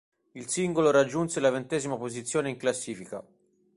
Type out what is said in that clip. Il singolo raggiunse la ventesima posizione in classifica.